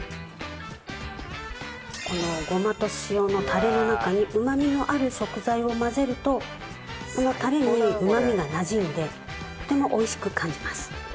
このごまと塩のタレの中にうまみのある食材を混ぜるとこのタレにうまみがなじんでとても美味しく感じます。